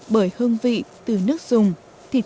bởi hương vị từ nước dùng thịt cá